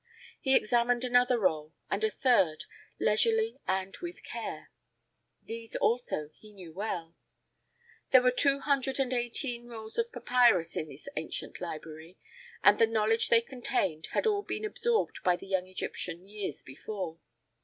He examined another roll, and a third, leisurely and with care. These also he knew well. There were two hundred and eighteen rolls of papyrus in this ancient library, and the knowledge they contained had all been absorbed by the young Egyptian years before.